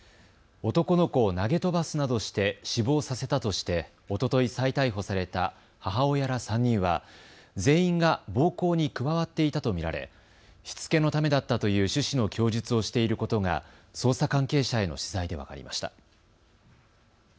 男の子を投げ飛ばすなどして死亡させたとしておととい再逮捕された母親ら３人は全員が暴行に加わっていたと見られしつけのためだったという趣旨の供述をしていることが捜査関係者への取材で分かりました。